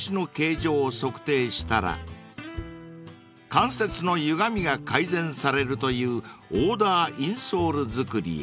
［関節のゆがみが改善されるというオーダーインソール作りへ］